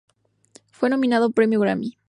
Fue nominada a un premio Grammy.